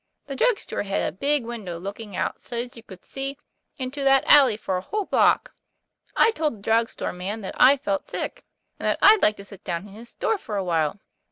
The drug store had a big window looking out so's you could see into that alley for a whole block. I told the drug store man that I felt sick, and that I'd like to sit down in his store for a while.